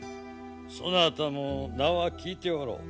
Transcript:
そなたも名は聞いておろう。